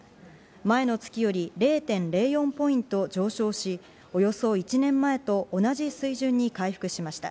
前の月より０．０４ポイント上昇し、およそ１年前と同じ水準に回復しました。